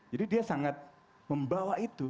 jadi dia sangat membawa itu